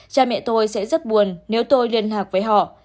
cha mẹ tôi sẽ rất buồn nếu tôi liên lạc với họ